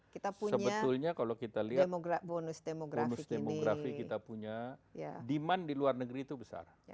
sebetulnya kalau kita lihat bonus demografi kita punya demand di luar negeri itu besar